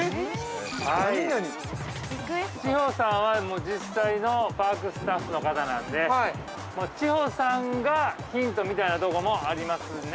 ◆千穂さんは、実際のパークスタッフの方なんで千穂さんがヒントみたいなとこもありますね。